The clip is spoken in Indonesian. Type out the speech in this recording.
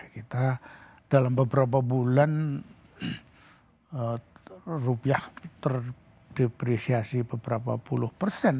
kita dalam beberapa bulan rupiah terdepresiasi beberapa puluh persen